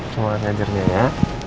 semoga saya ajarnya ya